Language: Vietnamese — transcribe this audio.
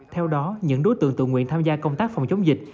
theo đó những đối tượng tự nguyện tham gia công tác phòng chống dịch